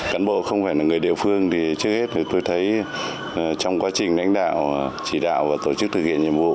cán bộ không phải là người địa phương thì trước hết tôi thấy trong quá trình đánh đạo chỉ đạo và tổ chức thực hiện nhiệm vụ